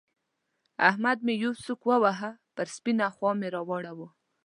احمد مې يوه سوک وواهه؛ پر سپينه خوا مې را واړاوو.